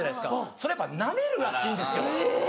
それやっぱなめるらしいんですよ。